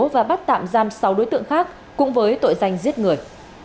và bắt tạm giam sáu đối tượng khác cũng với tội danh giết người